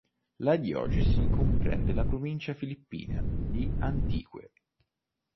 La diocesi comprende la provincia filippina di Antique.